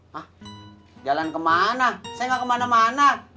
hah jalan kemana saya gak kemana mana